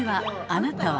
「あなたは」